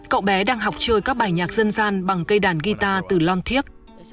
cậu bé đang học chơi các bài nhạc dân gian bằng cây đàn guitar từ lon thiếc